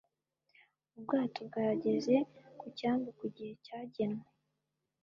Ubwato bwageze ku cyambu ku gihe cyagenwe.